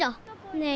ねえ